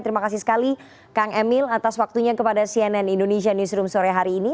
terima kasih sekali kang emil atas waktunya kepada cnn indonesia newsroom sore hari ini